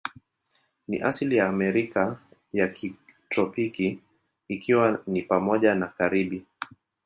Ni asili ya Amerika ya kitropiki, ikiwa ni pamoja na Karibi.